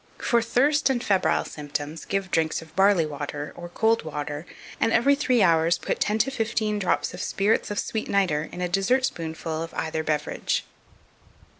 For thirst and febrile symptoms, give drinks of barley water, or cold water, and every three hours put ten to fifteen drops of spirits of sweet nitre in a dessert spoonful of either beverage.